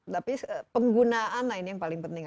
tapi penggunaan lainnya yang paling penting